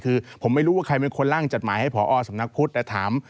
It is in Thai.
คือผมไม่รู้ว่าใครเป็นคนล่างจดหมายให้พอสำนักพุทธแต่ถาม